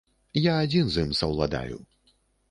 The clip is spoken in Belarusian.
Я адзін з ім саўладаю.